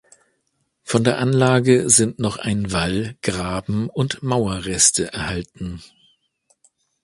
Von der Anlage sind noch ein Wall-, Graben- und Mauerreste erhalten.